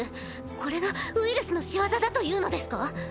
これがウイルスの仕業だというのですか？